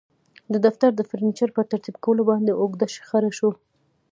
د دفتر د فرنیچر په ترتیب کولو باندې اوږده شخړه شوه